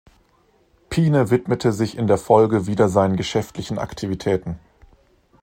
Pine widmete sich in der Folge wieder seinen geschäftlichen Aktivitäten.